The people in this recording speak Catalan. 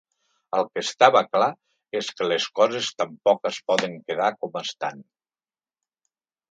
El que estava clar és que les coses tampoc es poden quedar com estan.